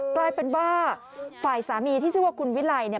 กลายเป็นว่าฝ่ายสามีที่ชื่อว่าคุณวิไลเนี่ย